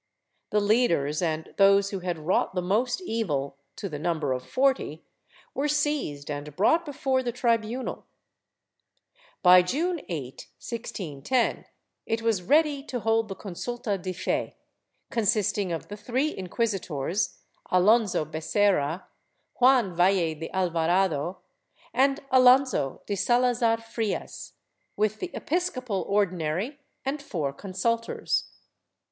The leaders and those who had wrought the most evil, to the number of forty, were seized and brought before the tribunal. By June 8, 1610, it was ready to hold the consulta de fe, consisting of the three inquisitors, Alonso Becerra, Juan Yalle de Alvarado and Alonso de Salazar Frias, with the episcopal Ordinary and four consultoi's.